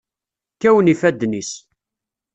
Kkawen ifadden-is.